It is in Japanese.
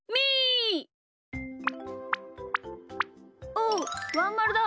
おっワンまるだ。